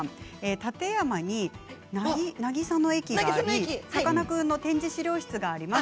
館山に渚の駅があってさかなクンの展示資料室があります。